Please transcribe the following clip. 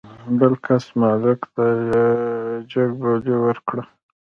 بل کس مالک ته جګ بولي ورکړه.